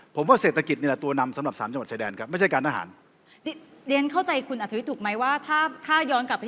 ผมว่าเศรษฐกิจเนี่ยตัวนำสำหรับสามจังหวัดชายแดนครับ